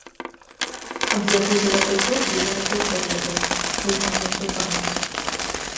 Аб яго залатой торбе яна добра ведае, — скрыгнуў ён зубамі.